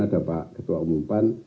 ada pak ketua umum pan